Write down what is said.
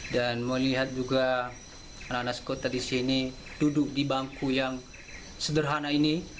dan melihat juga anak anak sekolah di sini duduk di bangku yang sederhana ini